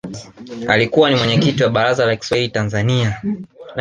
alikuwa ni mwenyekiti wa baraza la Kiswahili tanzania